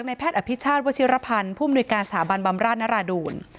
แพทย์อภิชาติวชิรพันธ์ผู้มนุยการสถาบันบำราชนราดูล